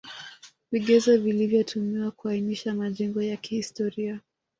Vigezo vilivyotumiwa kuainisha majengo ya kihstoria